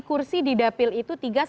kursi di dapil itu tiga satu